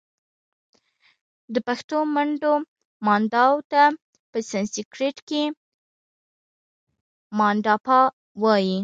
د پښتو منډو Mandaw ته په سنسیکرت کښې Mandapa وايي